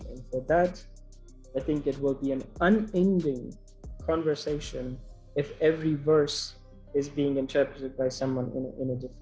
dan untuk itu saya pikir akan menjadi perbicaraan yang tidak berakhir jika setiap ayat diperkenalkan oleh seseorang dengan cara yang berbeda